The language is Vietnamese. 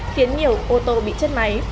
khiến nhiều ô tô bị chết máy